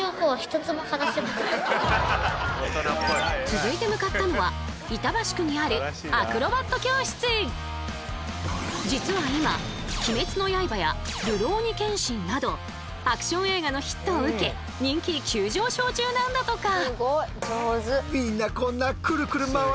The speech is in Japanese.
続いて向かったのは板橋区にある実は今「鬼滅の刃」や「るろうに剣心」などアクション映画のヒットを受け人気急上昇中なんだとか！